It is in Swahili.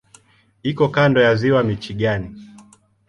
Iko kando ya Ziwa Michigan.